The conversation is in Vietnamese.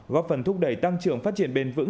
góp phần thúc đẩy tăng trưởng phát triển bền vững